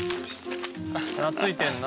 懐いてんな。